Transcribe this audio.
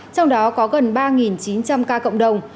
trong đó có gần ba chín trăm linh ca cộng đồng